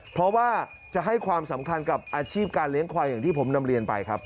เพราะว่าจะให้ความสำคัญกับอาชีพการเลี้ยงควายอย่างที่ผมนำเรียนไปครับ